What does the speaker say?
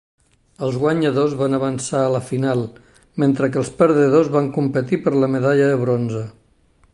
Els guanyadors van avançar a la final, mentre que els perdedors van competir per la medalla de bronze.